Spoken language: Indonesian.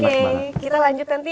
kita lanjut nanti